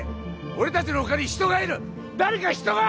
俺達の他に人がいる誰か人が！